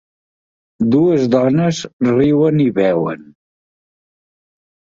Dues dones riuen i beuen.